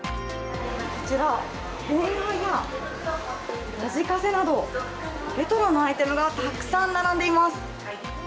こちら、電話やラジカセなど、レトロなアイテムがたくさん並んでいます。